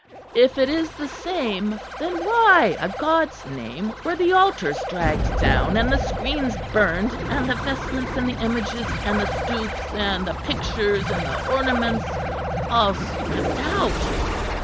If it is the same, then why, a God's name, were the altars dragged down, and the screens burned, and the vestments and the images and the stoups and the pictures and the ornaments, all swept out?